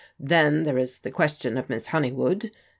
Then there is the question of Miss Honeywood.